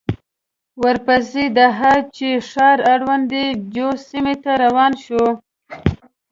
ورپسې د هه چه ښار اړوند اي جو سيمې ته روان شوو.